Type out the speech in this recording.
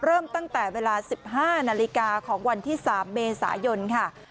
เริ่มตั้งแต่เวลา๑๕นาฬิกาของวันที่๓เมษายนค่ะ